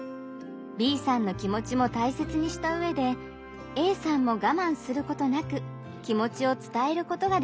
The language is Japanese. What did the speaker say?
Ｂさんの気持ちも大切にした上でＡさんもがまんすることなく気持ちを伝えることができます。